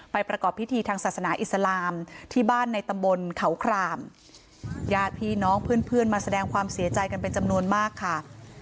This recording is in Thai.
ประกอบพิธีทางศาสนาอิสลามที่บ้านในตำบลเขาครามญาติพี่น้องเพื่อนเพื่อนมาแสดงความเสียใจกันเป็นจำนวนมากค่ะ